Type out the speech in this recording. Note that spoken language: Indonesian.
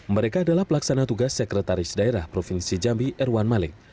mereka adalah pelaksana tugas sekretaris daerah provinsi jambi erwan maling